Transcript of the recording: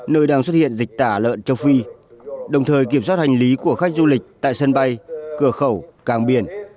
nơi đang xuất hiện dịch tả lợn châu phi đồng thời kiểm soát hành lý của khách du lịch tại sân bay cửa khẩu càng biển